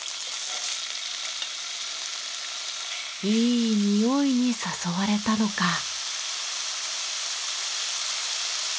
いいにおいに誘われたのか。